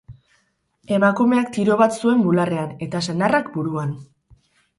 Emakumeak tiro bat zuen bularrean, eta senarrak buruan.